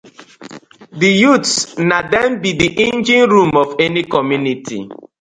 Di youths na dem bi di engine room of any community.